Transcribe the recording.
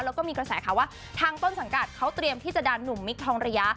แล้วก็มีกระแสข่าวว่าทางต้นสังกัดเขาเตรียมที่จะดันหนุ่มมิคทองระยะ